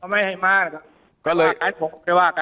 ไม่ให้มานะครับ